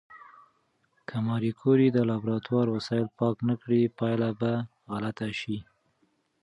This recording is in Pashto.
که ماري کوري د لابراتوار وسایل پاک نه کړي، پایله به غلطه شي.